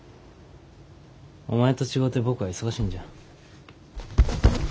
お前と違うて僕は忙しいんじゃ。